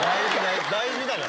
大事だからね。